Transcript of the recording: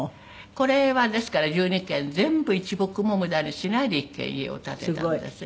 これはですから１２軒全部一木も無駄にしないで１軒家を建てたんですね。